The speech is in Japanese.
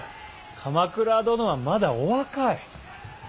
鎌倉殿はまだお若い。